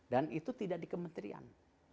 dan itu tidak di kementerian